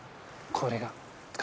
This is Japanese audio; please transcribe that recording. これが。